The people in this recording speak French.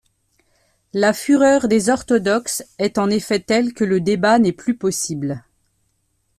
La fureur des orthodoxes est en effet telle que le débat n'est plus possible.